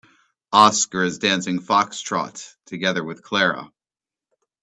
Oscar is dancing foxtrot together with Clara.